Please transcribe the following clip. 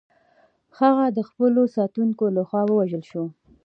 هغه د خپلو ساتونکو لخوا ووژل شوه.